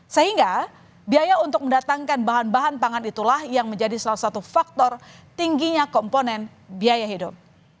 sehingga biaya untuk mendatangkan bahan bahan pangan itulah yang menjadi salah satu faktor tingginya komponen biaya hidup